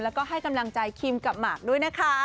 แล้วก็ให้กำลังใจคิมกับหมากด้วยนะคะ